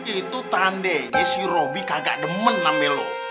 itu tandanya si robby kagak demen ngamelo